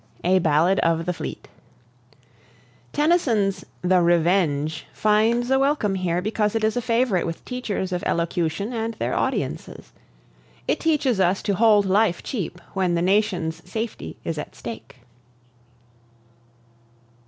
A BALLAD OF THE FLEET Tennyson's (1807 92) "The Revenge" finds a welcome here because it is a favourite with teachers of elocution and their audiences. It teaches us to hold life cheap when the nation's safety is at stake.